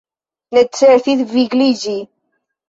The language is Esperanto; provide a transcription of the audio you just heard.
Necesis vigliĝi!